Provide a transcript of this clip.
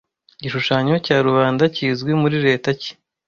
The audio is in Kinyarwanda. Igishushanyo cya rubanda kizwi muri leta ki